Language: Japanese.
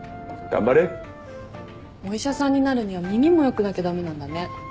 お医者さんになるには耳も良くなきゃ駄目なんだね。